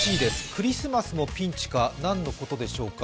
クリスマスもピンチか、なんのことでしょうか。